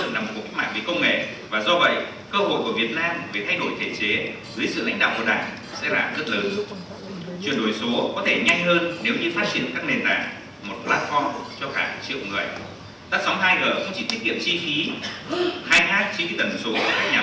đất sống hai g cũng chỉ tiết kiệm chi phí hai h chi phí tần số các nhà mạng